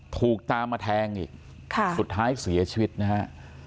ถูกตามมาแทงอีกสุดท้ายเสียชีวิตนะฮะ